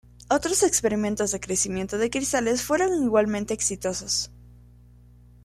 Otros experimentos de crecimiento de cristales fueron igualmente exitosos.